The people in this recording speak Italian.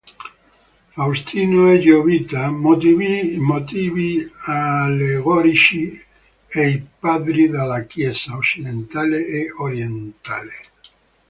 Faustino e Giovita, motivi allegorici e i Padri della Chiesa occidentale e orientale.